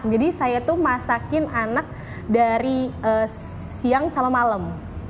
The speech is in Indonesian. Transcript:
jadi saya itu masakin anak dari siang sama malam